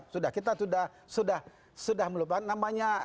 sudah kita sudah melupakan